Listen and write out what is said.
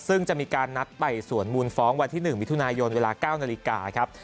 ซึ่งจะมีการนัดไต่สวนมูลฟ้องวันที่๑มิถุนายนเวลา๙นาฬิกาครับ